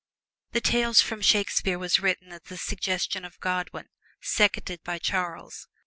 The "Tales from Shakespeare" was written at the suggestion of Godwin, seconded by Charles.